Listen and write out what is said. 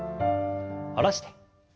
下ろして。